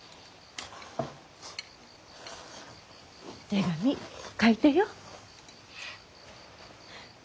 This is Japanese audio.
手紙書いてよ。